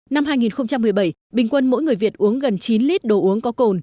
năm hai nghìn một mươi bảy bình quân mỗi người việt uống gần chín lít đồ uống có cồn